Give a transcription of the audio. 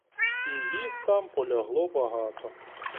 І їх там полягло багато.